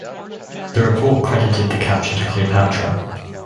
The report credited the capture to "Cleopatra".